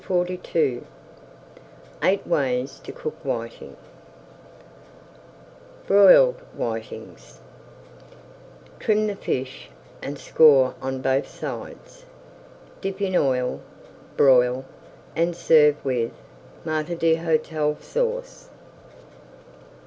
[Page 451] EIGHT WAYS TO COOK WHITING BROILED WHITINGS Trim the fish and score on both sides, dip in oil, broil, and serve with Maître d'Hôtel Sauce.